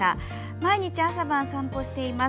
毎日朝晩、散歩しています。